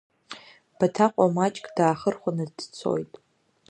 Баҭаҟәа маҷк даахырхәаны дцоит.